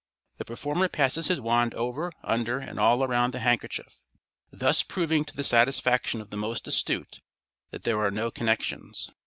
The performer passes his wand over, under and all round the handkerchief, thus proving to the satisfaction of the most astute that there are no connections.